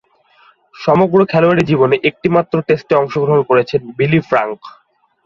সমগ্র খেলোয়াড়ী জীবনে একটিমাত্র টেস্টে অংশগ্রহণ করেছেন বিলি ফ্রাঙ্ক।